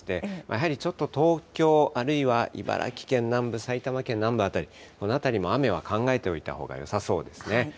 やはりちょっと東京、あるいは茨城県南部、埼玉県南部辺り、この辺りも雨は考えておいたほうがよさそうですね。